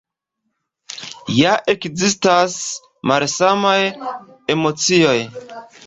Ja ekzistas malsamaj emocioj.